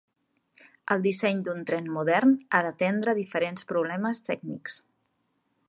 El disseny d'un tren modern ha d'atendre diferents problemes tècnics.